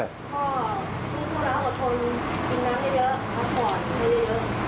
ไม่อยู่ในบ้าน